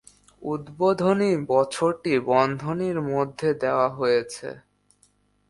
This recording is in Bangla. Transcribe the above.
উদ্বোধনী বছরটি বন্ধনীর মধ্যে দেওয়া হয়েছে।